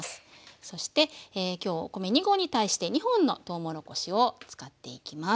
そして今日お米２合に対して２本のとうもろこしを使っていきます。